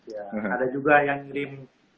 ya ada juga yang ngirim